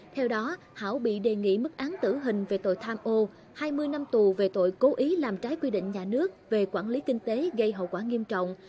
theo đó hảo bị đề nghị mức án tử hình về tội tham ô hai mươi năm tù về tội cố ý làm trái quy định nhà nước về quản lý kinh tế gây hậu quả nghiêm trọng